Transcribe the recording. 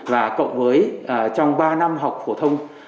và cộng với trong ba năm học phổ thông